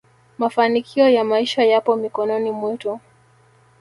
mafanikio ya maisha yapo mikono mwetu